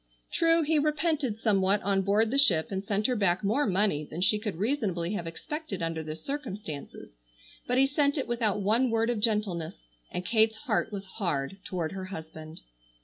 True, he repented somewhat on board the ship and sent her back more money than she could reasonably have expected under the circumstances, but he sent it without one word of gentleness, and Kate's heart was hard toward her husband.